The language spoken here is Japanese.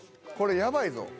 これやばいぞ。